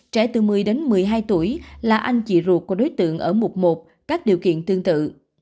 trẻ từ một mươi đến một mươi hai tuổi là anh chị ruột của đối tượng ở mục một các điều kiện tương tự